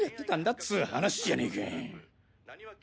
っつう話じゃねか。